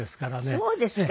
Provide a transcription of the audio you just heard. あっそうですか。